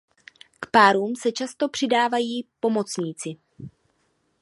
K párům se často přidávají pomocníci.